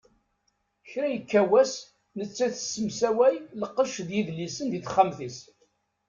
Kra ikka wass, nettat tessemsaway lqecc d yedlisen di texxamt-is.